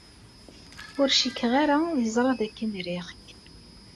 Ur cikkeɣ ara yeẓra dakken riɣ-k.